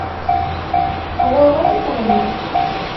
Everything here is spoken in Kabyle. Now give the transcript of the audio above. Ɣur-wat ad teɣlim.